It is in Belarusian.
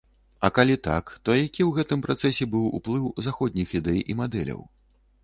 А калі так, то які ў гэтым працэсе быў уплыў заходніх ідэй і мадэляў.